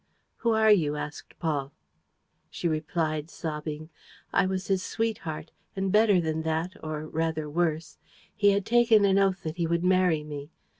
"Who are you?" asked Paul. She replied, sobbing: "I was his sweetheart ... and better than that ... or rather worse. He had taken an oath that he would marry me.